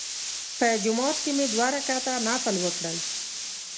په جومات کې مې دوه رکعته نفل وکړل.